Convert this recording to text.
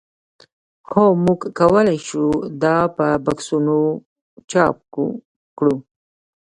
هو موږ کولی شو دا په بکسونو چاپ کړو